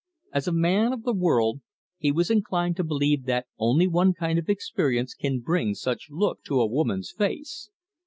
As a man of the world, he was inclined to believe that only one kind of experience can bring such looks to a woman's face.